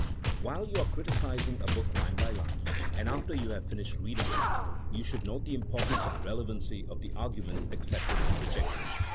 While you are criticising a book line by line, and after you have finished reading it, you should note the importance and relevancy of the arguments accepted and rejected.